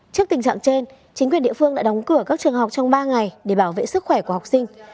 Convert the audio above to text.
trước tình trạng trên chính quyền địa phương đã đóng cửa các trường học trong ba ngày để bảo vệ sức khỏe của học sinh